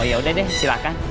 yaudah deh silahkan